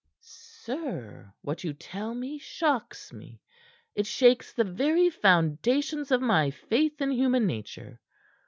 "Sir, what you tell me shocks me. It shakes the very foundations of my faith in human nature.